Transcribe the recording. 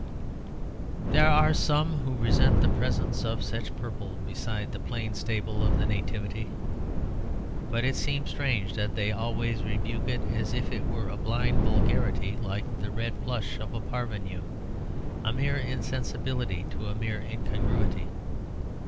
There are some who resent the presence of such purple beside the plain stable of the Nativity. But it seems strange that they always rebuke it as if it were a blind vulgarity like the red plush of a parvenu; a mere insensibility to a mere incongruity.